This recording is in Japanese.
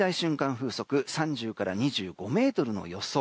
風速３０から２５メートルの予想。